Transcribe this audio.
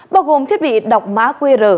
bao gồm thiết bị đọc má qr